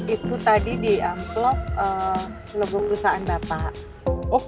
itu tadi di angklop logo perusahaan bapak